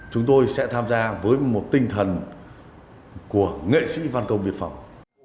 chúng tôi sẽ tham gia với một tinh thần của nghệ sĩ văn công biên phòng